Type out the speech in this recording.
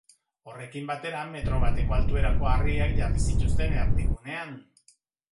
Horrekin batera metro bateko altuerako harriak jarri zituzten erdigunean.